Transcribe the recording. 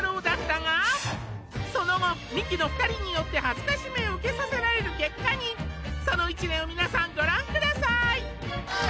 だったがその後ミキの２人によって辱めを受けさせられる結果にその一連を皆さんご覧ください